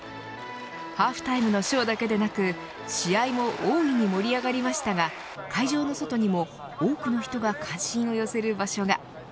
ハーフタイムのショーだけでなく試合も大いに盛り上がりましたが会場の外にも多くの人が関心を寄せる場所が。